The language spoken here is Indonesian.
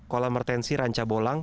kolam retensi ranca bolang